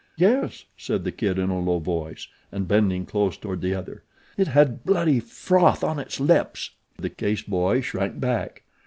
"Yes," said the Kid in a low voice, and bending close toward the other; "it had bloody froth on its lips!" The Case boy shrank back.